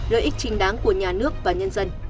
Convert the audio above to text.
lợi ích chính đáng của nhà nước và nhân dân